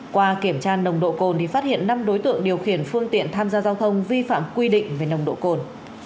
qua kiểm tra nồng độ cồn thì phát hiện năm đối tượng điều khiển phương tiện tham gia giao thông vi phạm quy định về nồng độ cồn